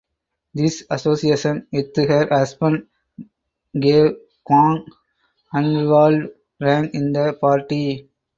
This association with her husband gave Hwang "unrivalled rank in the party".